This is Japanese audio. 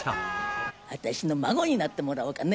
私の孫になってもらおうかね？